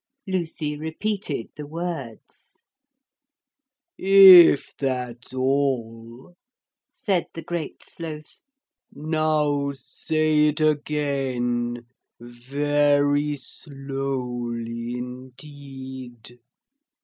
Lucy repeated the words. 'If that's all. ...' said the Great Sloth; 'now say it again, very slowly indeed.'